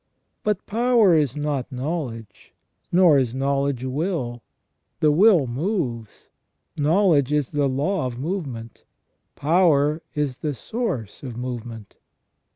But power is not knowledge, nor is knowledge will ; the will moves, knowledge is the law of movement, power is the source of movement.